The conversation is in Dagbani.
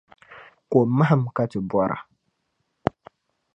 Ko mahim ka ti bɔra.